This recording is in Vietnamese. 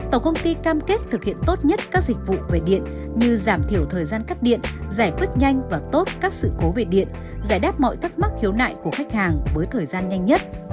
tổng công ty cam kết thực hiện tốt nhất các dịch vụ về điện như giảm thiểu thời gian cắt điện giải quyết nhanh và tốt các sự cố về điện giải đáp mọi thắc mắc khiếu nại của khách hàng với thời gian nhanh nhất